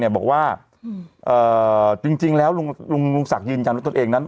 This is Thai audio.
บอกว่าจริงแล้วลุงศักดิ์ยืนยันว่าตนเองนั้น